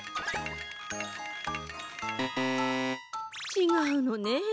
ちがうのね。